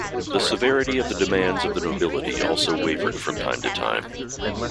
The severity of the demands of the nobility also wavered from time to time.